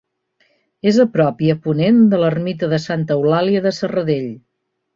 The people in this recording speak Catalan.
És a prop i a ponent de l'ermita de Santa Eulàlia de Serradell.